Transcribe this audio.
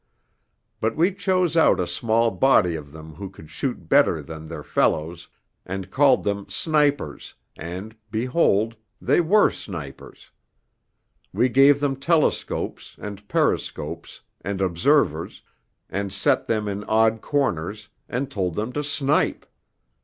But we chose out a small body of them who could shoot better than their fellows, and called them snipers, and behold, they were snipers. We gave them telescopes, and periscopes, and observers, and set them in odd corners, and told them to snipe.